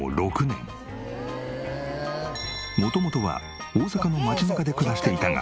元々は大阪の街中で暮らしていたが。